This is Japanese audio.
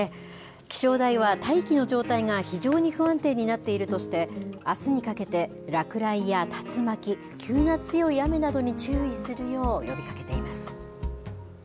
気象台は大気の状態が非常に不安定になっているとして、あすにかけて、落雷や竜巻、急な強い雨などに注意するよう呼びかけています。